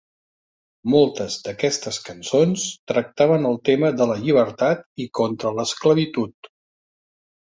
Moltes d'aquestes cançons tractaven el tema de la llibertat i contra l'esclavitud.